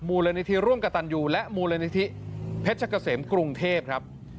มูลนิธิร่วมกับตันยูและมูลนิธิเพชรเกษมกรุงเทพครับ